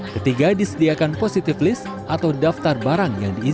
ketiga disediakan positive list atau daftar barang yang diizin